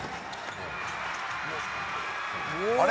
あれ？